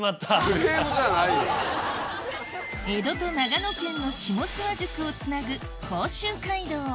江戸と長野県の下諏訪宿をつなぐ